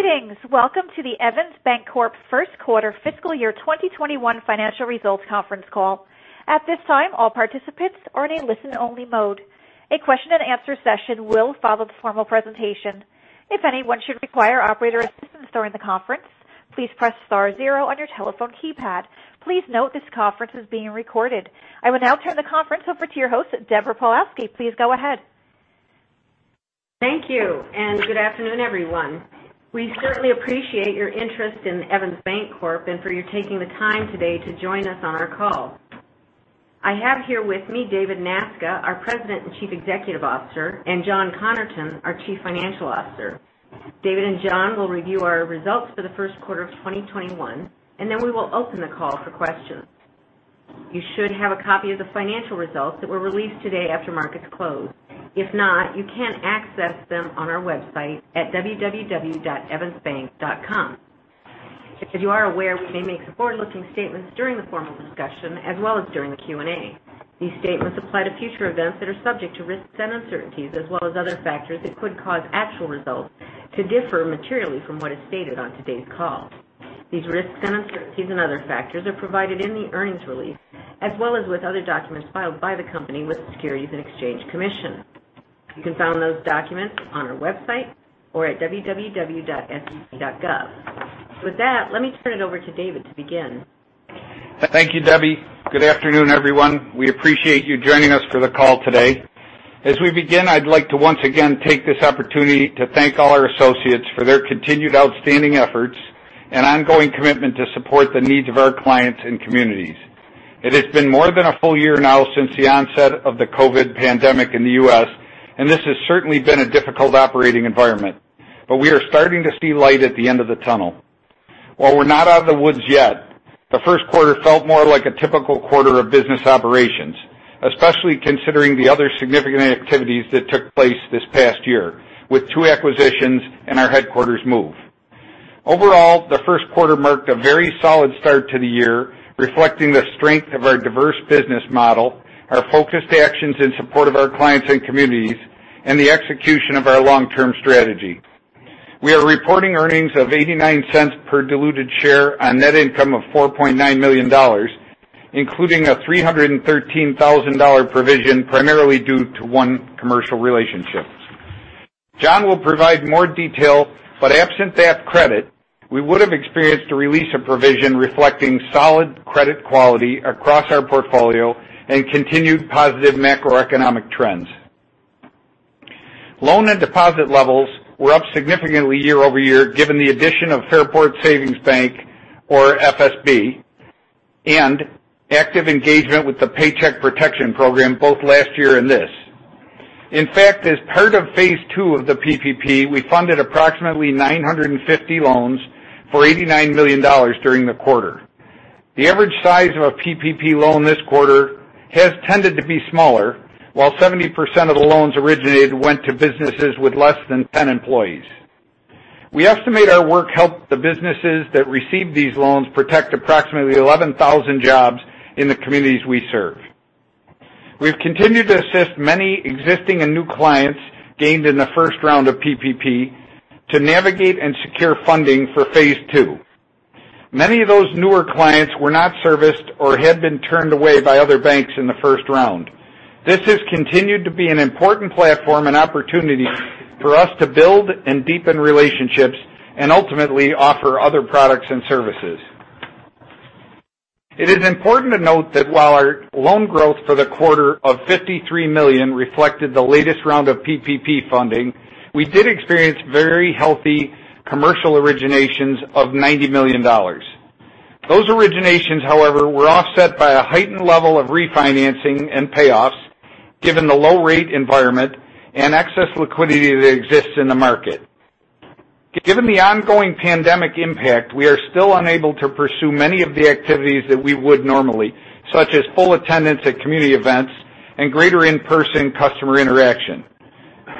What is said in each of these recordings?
Greetings. Welcome to the Evans Bancorp first quarter fiscal year 2021 financial results conference call. At this time, all participants are in a listen-only mode. A question and answer session will follow the formal presentation. If anyone should require operator assistance during the conference, please press star zero on your telephone keypad. Please note this conference is being recorded. I will now turn the conference over to your host, Deborah Pawlowski. Please go ahead. Thank you, good afternoon, everyone. We certainly appreciate your interest in Evans Bancorp and for your taking the time today to join us on our call. I have here with me David Nasca, our President and Chief Executive Officer, and John Connerton, our Chief Financial Officer. David and John will review our results for the first quarter of 2021, and then we will open the call for questions. You should have a copy of the financial results that were released today after markets closed. If not, you can access them on our website at www.evansbank.com. If you are aware, we may make forward-looking statements during the formal discussion as well as during the Q&A. These statements apply to future events that are subject to risks and uncertainties as well as other factors that could cause actual results to differ materially from what is stated on today's call. These risks and uncertainties and other factors are provided in the earnings release as well as with other documents filed by the company with Securities and Exchange Commission. You can find those documents on our website or at www.sec.gov. With that, let me turn it over to David to begin. Thank you, Debbie. Good afternoon, everyone. We appreciate you joining us for the call today. As we begin, I'd like to once again take this opportunity to thank all our associates for their continued outstanding efforts and ongoing commitment to support the needs of our clients and communities. It has been more than a full year now since the onset of the COVID pandemic in the U.S., and this has certainly been a difficult operating environment, but we are starting to see light at the end of the tunnel. While we're not out of the woods yet, the first quarter felt more like a typical quarter of business operations, especially considering the other significant activities that took place this past year with two acquisitions and our headquarters move. Overall, the first quarter marked a very solid start to the year, reflecting the strength of our diverse business model, our focused actions in support of our clients and communities, and the execution of our long-term strategy. We are reporting earnings of $0.89 per diluted share on net income of $4.9 million, including a $313,000 provision, primarily due to one commercial relationship. John will provide more detail, Absent that credit, we would have experienced a release of provision reflecting solid credit quality across our portfolio and continued positive macroeconomic trends. Loan and deposit levels were up significantly year-over-year, given the addition of Fairport Savings Bank, or FSB, and active engagement with the Paycheck Protection Program, both last year and this. In fact, as part of phase two of the PPP, we funded approximately 950 loans for $89 million during the quarter. The average size of a PPP loan this quarter has tended to be smaller, while 70% of the loans originated went to businesses with less than 10 employees. We estimate our work helped the businesses that received these loans protect approximately 11,000 jobs in the communities we serve. We've continued to assist many existing and new clients gained in the first round of PPP to navigate and secure funding for phase two. Many of those newer clients were not serviced or had been turned away by other banks in the first round. This has continued to be an important platform and opportunity for us to build and deepen relationships and ultimately offer other products and services. It is important to note that while our loan growth for the quarter of $53 million reflected the latest round of PPP funding, we did experience very healthy commercial originations of $90 million. Those originations, however, were offset by a heightened level of refinancing and payoffs given the low rate environment and excess liquidity that exists in the market. Given the ongoing pandemic impact, we are still unable to pursue many of the activities that we would normally, such as full attendance at community events and greater in-person customer interaction.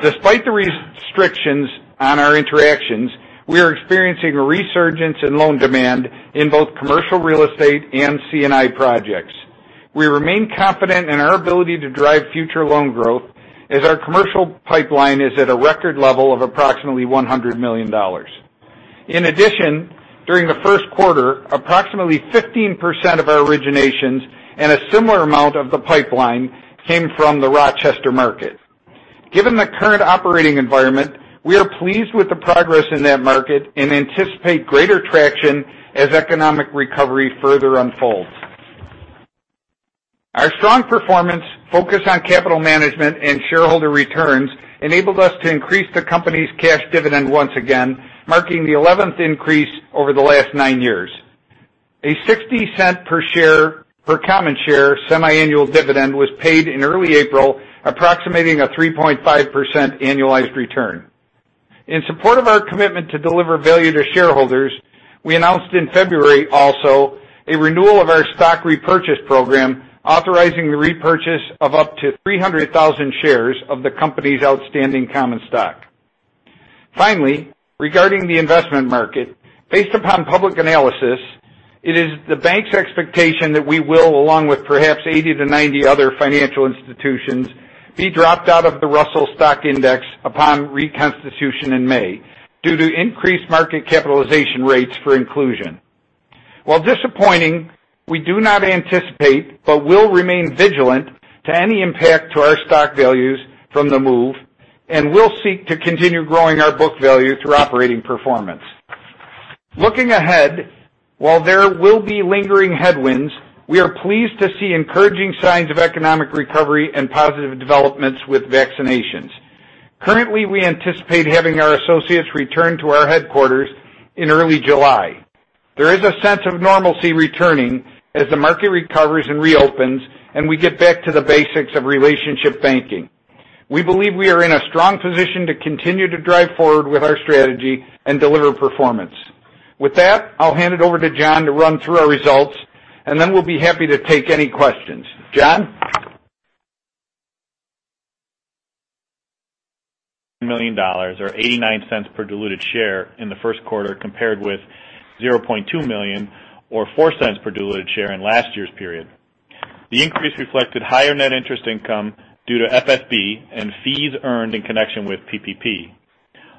Despite the restrictions on our interactions, we are experiencing a resurgence in loan demand in both commercial real estate and C&I projects. We remain confident in our ability to drive future loan growth as our commercial pipeline is at a record level of approximately $100 million. In addition, during the first quarter, approximately 15% of our originations and a similar amount of the pipeline came from the Rochester market. Given the current operating environment, we are pleased with the progress in that market and anticipate greater traction as economic recovery further unfolds. Our strong performance focused on capital management and shareholder returns enabled us to increase the company's cash dividend once again, marking the eleventh increase over the last nine years. A $0.60 per share, per common share semiannual dividend was paid in early April, approximating a 3.5% annualized return. In support of our commitment to deliver value to shareholders, we announced in February also a renewal of our stock repurchase program, authorizing the repurchase of up to 300,000 shares of the company's outstanding common stock. Finally, regarding the investment market, based upon public analysis. It is the bank's expectation that we will, along with perhaps 80-90 other financial institutions, be dropped out of the Russell 2000 Index upon reconstitution in May due to increased market capitalization rates for inclusion. While disappointing, we do not anticipate, but will remain vigilant to any impact to our stock values from the move, and will seek to continue growing our book value through operating performance. Looking ahead, while there will be lingering headwinds, we are pleased to see encouraging signs of economic recovery and positive developments with vaccinations. Currently, we anticipate having our associates return to our headquarters in early July. There is a sense of normalcy returning as the market recovers and reopens, and we get back to the basics of relationship banking. We believe we are in a strong position to continue to drive forward with our strategy and deliver performance. With that, I'll hand it over to John to run through our results, and then we'll be happy to take any questions. John? $4.9 million Or $0.89 per diluted share in the first quarter, compared with $0.2 million or $0.04 per diluted share in last year's period. The increase reflected higher net interest income due to FSB and fees earned in connection with PPP.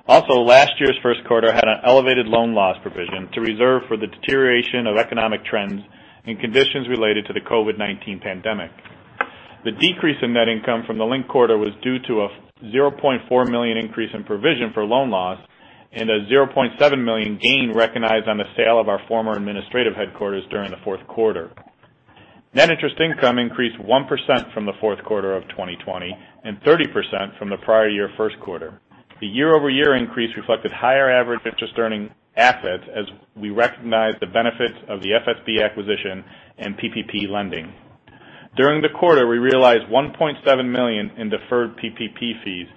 Also, last year's first quarter had an elevated loan loss provision to reserve for the deterioration of economic trends and conditions related to the COVID-19 pandemic. The decrease in net income from the linked quarter was due to a $0.4 million increase in provision for loan loss and a $0.7 million gain recognized on the sale of our former administrative headquarters during the fourth quarter. Net interest income increased 1% from the fourth quarter of 2020 and 30% from the prior year first quarter. The year-over-year increase reflected higher average interest-earning assets as we recognized the benefits of the FSB acquisition and PPP lending. During the quarter, we realized $1.7 million in deferred PPP fees,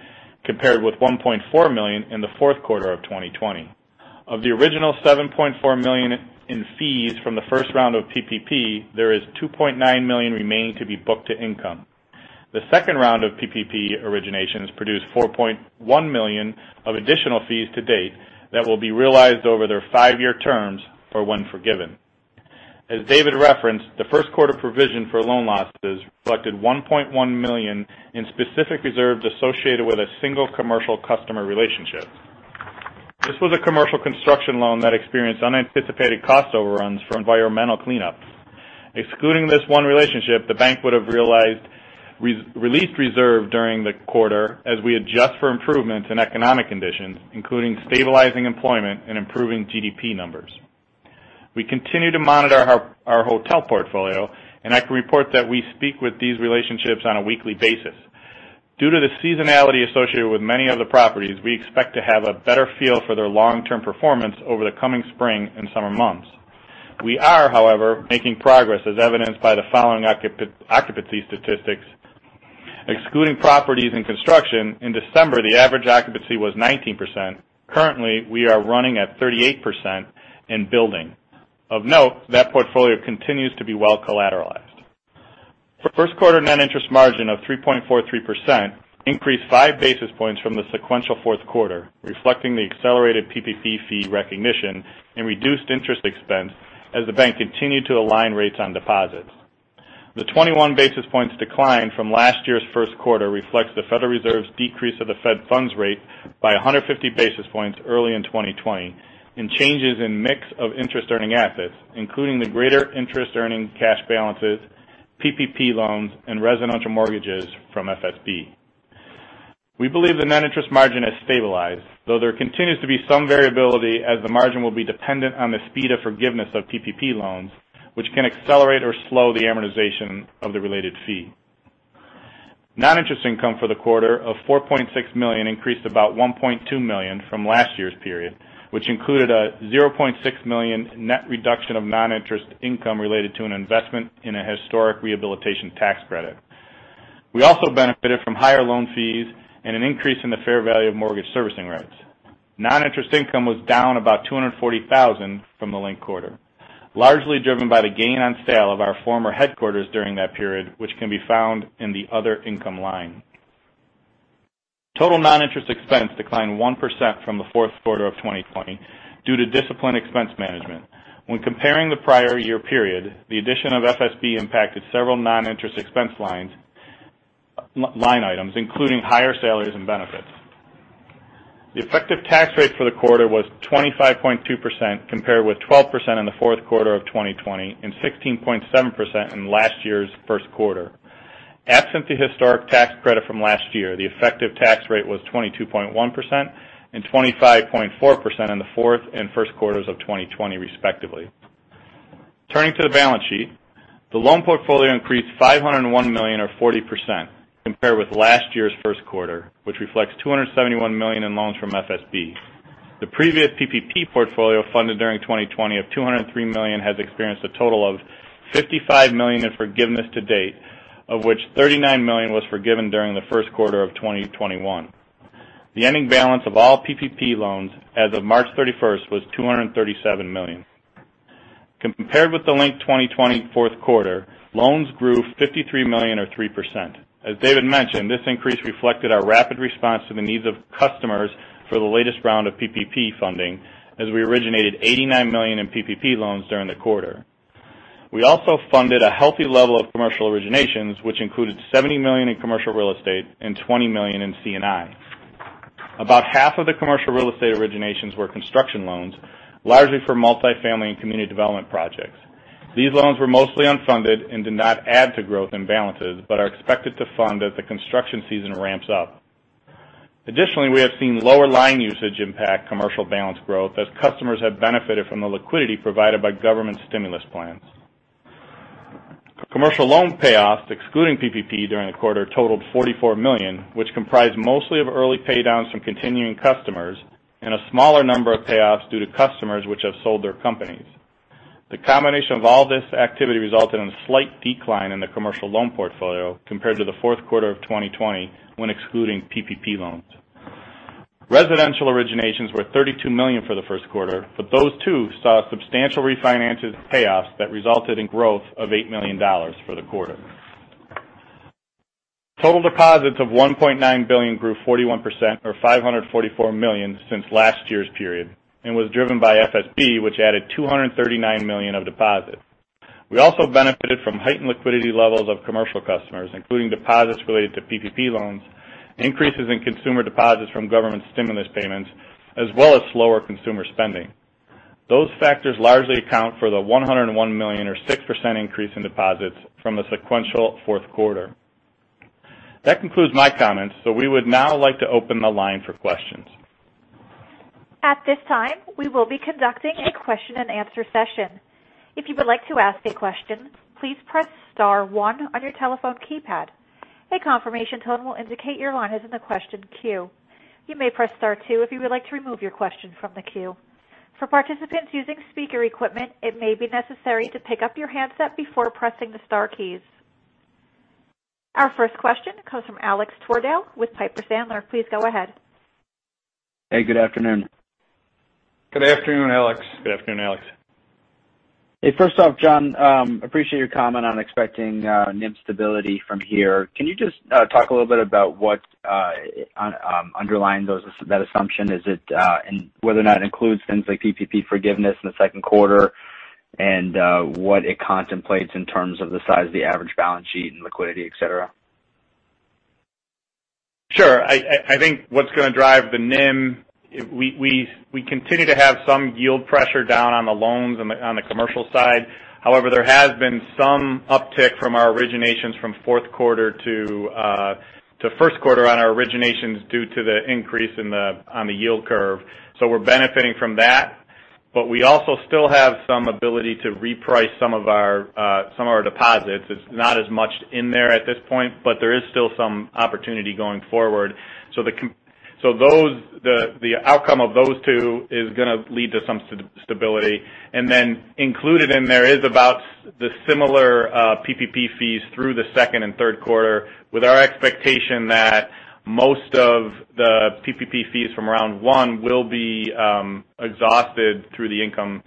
compared with $1.4 million in the fourth quarter of 2020. Of the original $7.4 million in fees from the first round of PPP, there is $2.9 million remaining to be booked to income. The second round of PPP originations produced $4.1 million of additional fees to date that will be realized over their five-year terms or when forgiven. As David referenced, the first quarter provision for loan losses reflected $1.1 million in specific reserves associated with a single commercial customer relationship. This was a commercial construction loan that experienced unanticipated cost overruns for environmental cleanup. Excluding this one relationship, the bank would have released reserve during the quarter as we adjust for improvements in economic conditions, including stabilizing employment and improving GDP numbers. We continue to monitor our hotel portfolio, and I can report that we speak with these relationships on a weekly basis. Due to the seasonality associated with many of the properties, we expect to have a better feel for their long-term performance over the coming spring and summer months. We are, however, making progress, as evidenced by the following occupancy statistics. Excluding properties in construction, in December, the average occupancy was 19%. Currently, we are running at 38% and building. Of note, that portfolio continues to be well collateralized. First quarter net interest margin of 3.43% increased five basis points from the sequential fourth quarter, reflecting the accelerated PPP fee recognition and reduced interest expense as the bank continued to align rates on deposits. The 21 basis points decline from last year's first quarter reflects the Federal Reserve's decrease of the Federal funds rate by 150 basis points early in 2020 and changes in mix of interest-earning assets, including the greater interest-earning cash balances, PPP loans, and residential mortgages from FSB. We believe the net interest margin has stabilized, though there continues to be some variability as the margin will be dependent on the speed of forgiveness of PPP loans, which can accelerate or slow the amortization of the related fee. Non-interest income for the quarter of $4.6 million increased about $1.2 million from last year's period, which included a $0.6 million net reduction of non-interest income related to an investment in a historic rehabilitation tax credit. We also benefited from higher loan fees and an increase in the fair value of mortgage servicing rights. Non-interest income was down about $240,000 from the linked quarter, largely driven by the gain on sale of our former headquarters during that period, which can be found in the other income line. Total non-interest expense declined 1% from the fourth quarter of 2020 due to disciplined expense management. When comparing the prior year period, the addition of FSB impacted several non-interest expense line items, including higher salaries and benefits. The effective tax rate for the quarter was 25.2%, compared with 12% in the fourth quarter of 2020 and 16.7% in last year's first quarter. Absent the historic tax credit from last year, the effective tax rate was 22.1% and 25.4% in the fourth and first quarters of 2020, respectively. Turning to the balance sheet, the loan portfolio increased $501 million, or 40%, compared with last year's first quarter, which reflects $271 million in loans from FSB. The previous PPP portfolio funded during 2020 of $203 million has experienced a total of $55 million in forgiveness to date, of which $39 million was forgiven during the first quarter of 2021. The ending balance of all PPP loans as of March 31st was $237 million. Compared with the linked 2020 fourth quarter, loans grew $53 million, or 3%. As David mentioned, this increase reflected our rapid response to the needs of customers for the latest round of PPP funding as we originated $89 million in PPP loans during the quarter. We also funded a healthy level of commercial originations, which included $70 million in commercial real estate and $20 million in C&I. About half of the commercial real estate originations were construction loans, largely for multifamily and community development projects. These loans were mostly unfunded and did not add to growth and balances, but are expected to fund as the construction season ramps up. Additionally, we have seen lower line usage impact commercial balance growth as customers have benefited from the liquidity provided by government stimulus plans. Commercial loan payoffs, excluding PPP during the quarter, totaled $44 million, which comprised mostly of early paydowns from continuing customers and a smaller number of payoffs due to customers which have sold their companies. The combination of all this activity resulted in a slight decline in the commercial loan portfolio compared to the fourth quarter of 2020, when excluding PPP loans. Residential originations were $32 million for the first quarter, but those too saw substantial refinances payoffs that resulted in growth of $8 million for the quarter. Total deposits of $1.9 billion grew 41%, or $544 million, since last year's period. Was driven by FSB, which added $239 million of deposits. We also benefited from heightened liquidity levels of commercial customers, including deposits related to PPP loans, increases in consumer deposits from government stimulus payments, as well as slower consumer spending. Those factors largely account for the $101 million or 6% increase in deposits from the sequential fourth quarter. That concludes my comments. We would now like to open the line for questions. At this time we will be conducting a question and answer session. If you would like to ask a question, please press star one on your telephone keypad. A confirmation tone will indicate that your line is in the question queue. You may press star two if you would like to withdraw your question from the question queue. For participants using speaker phones it may be necessary to pick up your handset before pressing the star keys. Our first question comes from Alex Twerdahl with Piper Sandler. Please go ahead. Hey, good afternoon. Good afternoon, Alex. Hey. First off, John, appreciate your comment on expecting NIM stability from here. Can you just talk a little bit about what underlines that assumption? Whether or not it includes things like PPP forgiveness in the second quarter, and what it contemplates in terms of the size of the average balance sheet and liquidity, et cetera? Sure. I think what's going to drive the NIM, we continue to have some yield pressure down on the loans on the commercial side. However, there has been some uptick from our originations from fourth quarter to first quarter on our originations due to the increase on the yield curve. We're benefiting from that. We also still have some ability to reprice some of our deposits. It's not as much in there at this point, but there is still some opportunity going forward. The outcome of those two is going to lead to some stability. Included in there is about the similar PPP fees through the second and third quarter, with our expectation that most of the PPP fees from round one will be exhausted through the income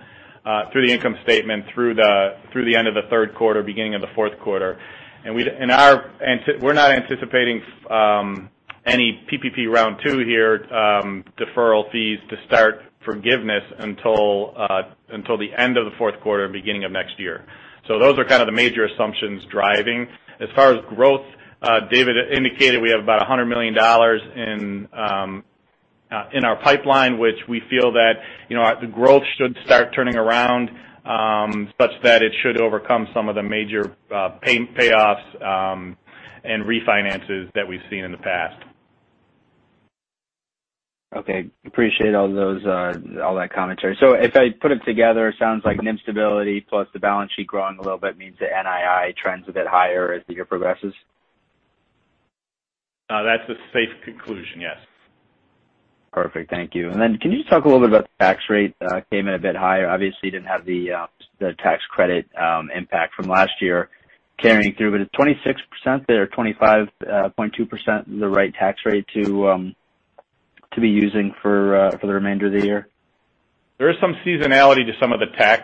statement through the end of the third quarter, beginning of the fourth quarter. We're not anticipating any PPP round two here, deferral fees to start forgiveness until the end of the fourth quarter, beginning of next year. Those are kind of the major assumptions driving. As far as growth, David indicated we have about $100 million in our pipeline, which we feel that the growth should start turning around, such that it should overcome some of the major payoffs and refinances that we've seen in the past. Okay. Appreciate all that commentary. If I put it together, it sounds like NIM stability plus the balance sheet growing a little bit means the NII trends a bit higher as the year progresses? That's the safe conclusion, yes. Perfect. Thank you. Can you just talk a little bit about the tax rate? Came in a bit higher. Obviously, didn't have the tax credit impact from last year carrying through. Is 26% or 25.2% the right tax rate to be using for the remainder of the year? There is some seasonality to some of the tax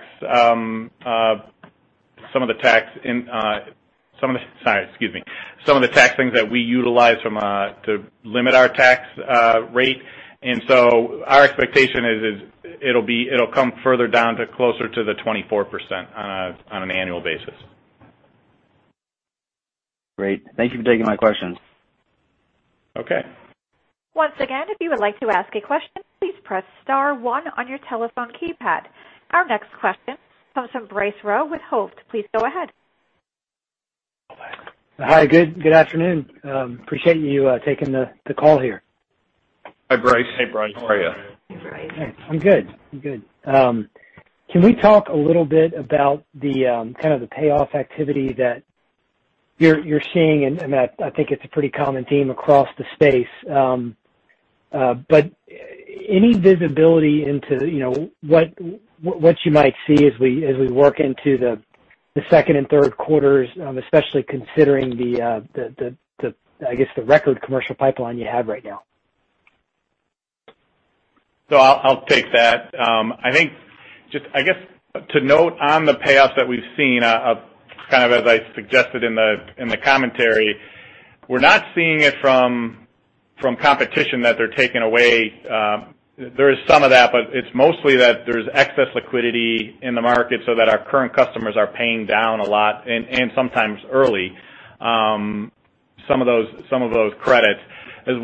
things that we utilize to limit our tax rate. Our expectation is it'll come further down to closer to the 24% on an annual basis. Great. Thank you for taking my questions. Okay. Once again, if you would like to ask a question, please press star one on your telephone keypad. Our next question comes from Bryce Rowe with Hovde. Please go ahead. Go ahead. Hi. Good afternoon. Appreciate you taking the call here. Hi, Bryce. Hey, Bryce. How are you? Hey, Bryce. I'm good. Can we talk a little bit about the payoff activity that you're seeing? I think it's a pretty common theme across the space. Any visibility into what you might see as we work into the second and third quarters, especially considering, I guess, the record commercial pipeline you have right now? I'll take that. I guess, to note on the payoffs that we've seen, kind of as I suggested in the commentary, we're not seeing it from. From competition that they're taking away. There is some of that, but it's mostly that there's excess liquidity in the market so that our current customers are paying down a lot, and sometimes early some of those credits. There is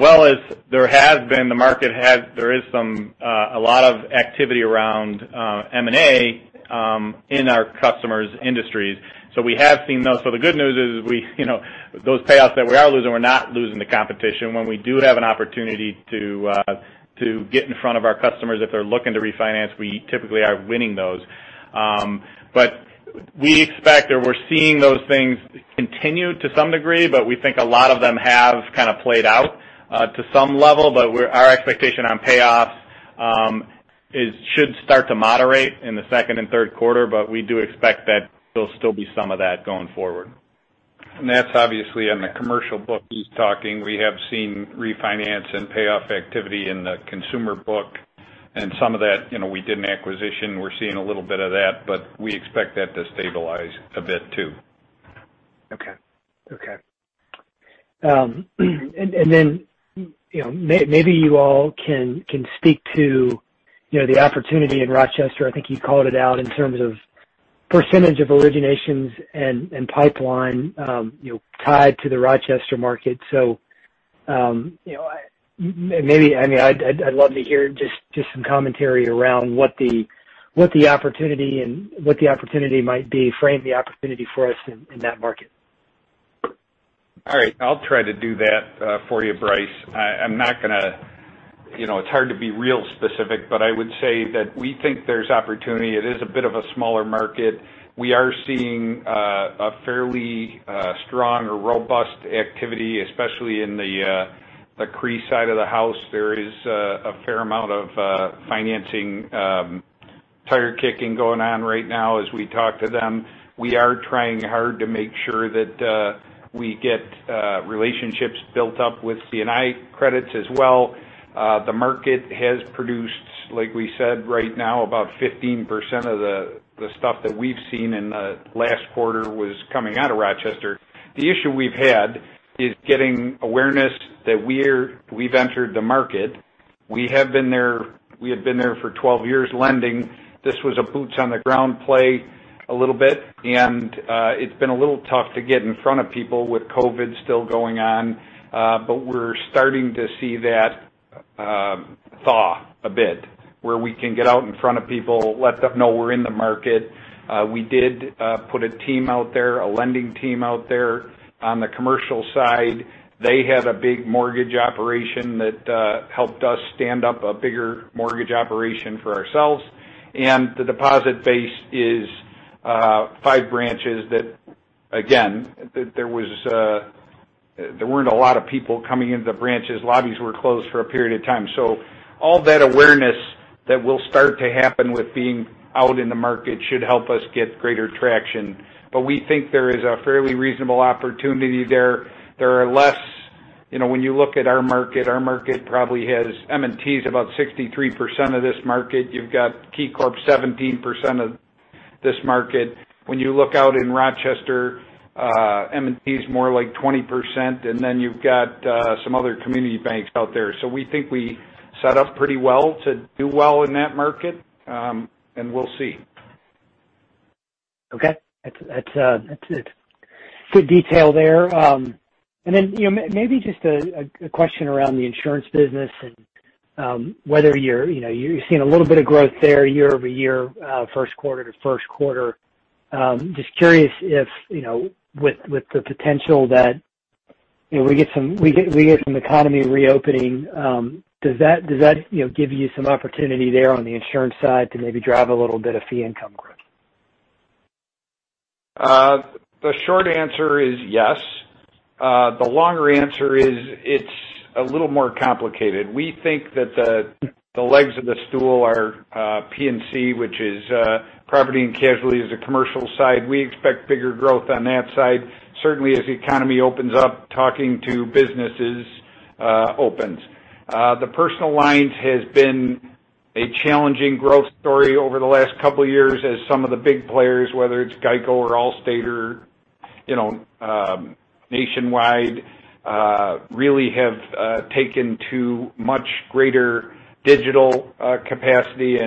a lot of activity around M&A in our customers' industries. We have seen those. The good news is those payoffs that we are losing, we're not losing to competition. When we do have an opportunity to get in front of our customers if they're looking to refinance, we typically are winning those. We expect or we're seeing those things continue to some degree, but we think a lot of them have kind of played out to some level. Our expectation on payoffs should start to moderate in the second and third quarter. We do expect that there'll still be some of that going forward. That's obviously on the commercial book he's talking. We have seen refinance and payoff activity in the consumer book, and some of that we did an acquisition. We're seeing a little bit of that, but we expect that to stabilize a bit too. Okay. Then, maybe you all can speak to the opportunity in Rochester. I think you called it out in terms of percentage of originations and pipeline tied to the Rochester market. Maybe, I'd love to hear just some commentary around what the opportunity might be. Frame the opportunity for us in that market. All right. I'll try to do that for you, Bryce. It's hard to be real specific, but I would say that we think there's opportunity. It is a bit of a smaller market. We are seeing a fairly strong or robust activity, especially in the CRE side of the house. There is a fair amount of financing tire kicking going on right now as we talk to them. We are trying hard to make sure that we get relationships built up with C&I credits as well. The market has produced, like we said, right now, about 15% of the stuff that we've seen in the last quarter was coming out of Rochester. The issue we've had is getting awareness that we've entered the market. We have been there for 12 years lending. This was a boots on the ground play a little bit, and it's been a little tough to get in front of people with COVID still going on. We're starting to see that thaw a bit, where we can get out in front of people, let them know we're in the market. We did put a team out there, a lending team out there on the commercial side. They had a big mortgage operation that helped us stand up a bigger mortgage operation for ourselves. The deposit base is five branches that, again, there weren't a lot of people coming into the branches. Lobbies were closed for a period of time. All that awareness that will start to happen with being out in the market should help us get greater traction. We think there is a fairly reasonable opportunity there. When you look at our market, our market probably has M&T's about 63% of this market. You've got KeyCorp 17% of this market. When you look out in Rochester, M&T's more like 20%, and then you've got some other community banks out there. We think we set up pretty well to do well in that market, and we'll see. Okay. That's good detail there. Maybe just a question around the insurance business and whether you're seeing a little bit of growth there year-over-year, first quarter to first quarter. Just curious if, with the potential that we get some economy reopening, does that give you some opportunity there on the insurance side to maybe drive a little bit of fee income growth? The short answer is yes. The longer answer is, it's a little more complicated. We think that the legs of the stool are P&C, which is property and casualty, is the commercial side. We expect bigger growth on that side. Certainly, as the economy opens up, talking to businesses opens. The personal lines has been a challenging growth story over the last couple of years as some of the big players, whether it's GEICO or Allstate or Nationwide really have taken to much greater digital capacity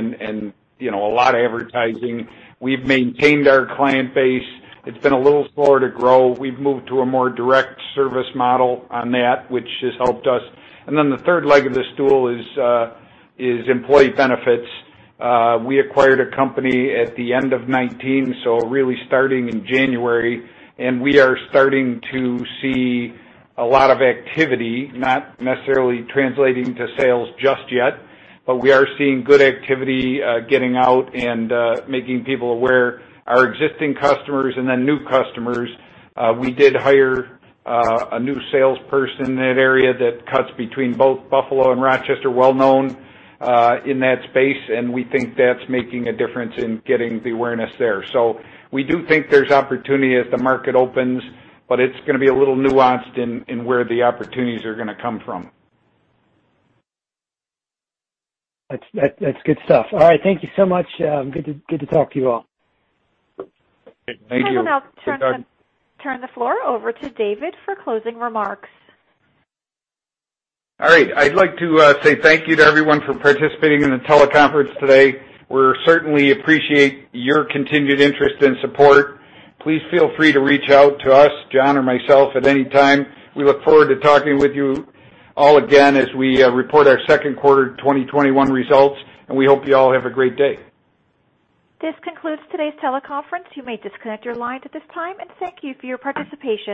and a lot of advertising. We've maintained our client base. It's been a little slower to grow. We've moved to a more direct service model on that, which has helped us. The third leg of the stool is employee benefits. We acquired a company at the end of 2019, so really starting in January, and we are starting to see a lot of activity, not necessarily translating to sales just yet, but we are seeing good activity getting out and making people aware. Our existing customers and then new customers, we did hire a new salesperson in that area that cuts between both Buffalo and Rochester, well known in that space, and we think that's making a difference in getting the awareness there. We do think there's opportunity as the market opens, but it's going to be a little nuanced in where the opportunities are going to come from. That's good stuff. All right. Thank you so much. Good to talk to you all. Thank you. I will now turn the floor over to David for closing remarks. All right. I'd like to say thank you to everyone for participating in the teleconference today. We certainly appreciate your continued interest and support. Please feel free to reach out to us, John or myself, at any time. We look forward to talking with you all again as we report our second quarter 2021 results. We hope you all have a great day. This concludes today's teleconference. You may disconnect your lines at this time, and thank you for your participation.